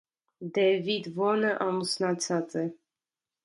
Դևիդ Վոնը ամուսնացած է։